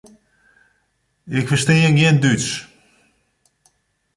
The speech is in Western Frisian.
Ik ferstean gjin Dútsk.